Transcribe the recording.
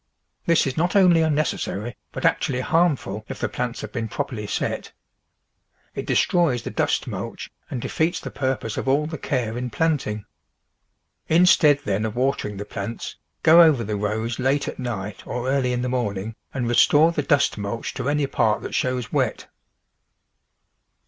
This is not only unnecessary but actually harmful if the plants have been properly set. It destroys the dust mulch and defeats the purpose of all the care in planting. Instead, then, of water ing the plants, go over the rows late at night or early in the morning and restore the dust mulch to any part that shows wet.